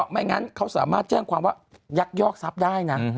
ไม่งั้นเขาสามารถแจ้งความว่ายักยอกทรัพย์ได้นะ